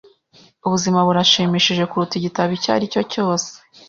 Ubuzima burashimishije kuruta igitabo icyo aricyo cyose.